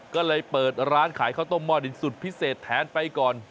ก็เลยเปิดร้านขายข้าวต้มหม้อดินสุดพิเศษแทนไปก่อน